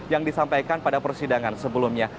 yang disampaikan pada persidangan sebelumnya